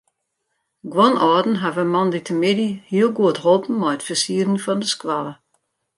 Guon âlden hawwe moandeitemiddei heel goed holpen mei it fersieren fan de skoalle.